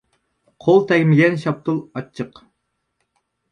قول تەگمىگەن شاپتۇل ئاچچىق.